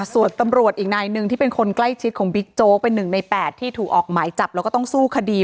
ส่วนตำรวจอีกนายหนึ่งที่เป็นคนใกล้ชิดของบิ๊กโจ๊กเป็น๑ใน๘ที่ถูกออกหมายจับแล้วก็ต้องสู้คดี